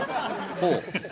ほう。